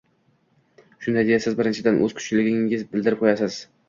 Shunday deya siz, birinchidan, o‘z kuchsizligingiz bildirib qo'yasiz.